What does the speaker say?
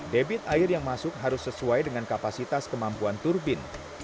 debit air yang masuk harus sesuai dengan kapasitas kemampuan turbin